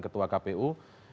ketua kpu itu kan ya